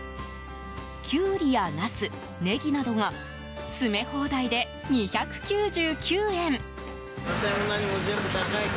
キュウリやナス、ネギなどが詰め放題で２９９円。